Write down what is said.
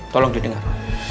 tolong dia dengar